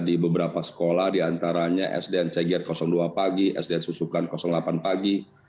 jadi beberapa sekolah diantaranya sdn cegiat dua pagi sdn susukan delapan pagi